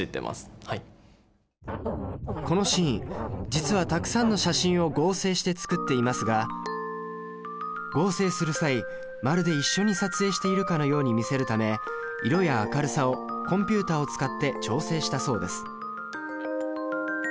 実はたくさんの写真を合成して作っていますが合成する際まるで一緒に撮影しているかのように見せるため色や明るさをコンピュータを使って調整したそうです。